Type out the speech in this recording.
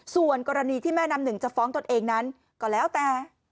ส่วนกรณีที่แม่น้ำหนึ่งจะฟ้องตนเองนั้นก็แล้วแต่